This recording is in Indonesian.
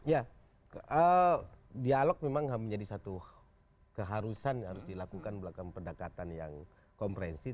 ya dialog memang menjadi satu keharusan yang harus dilakukan belakang pendekatan yang komprehensif